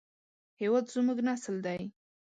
هېواد زموږ نسل دی